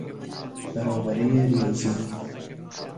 برابرهی ریاضی